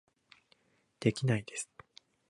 できないです